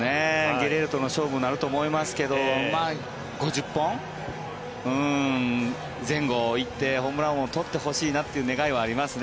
ゲレーロとの勝負になると思いますけど５０本前後に行ってホームラン王を取ってほしいという願いはありますよね。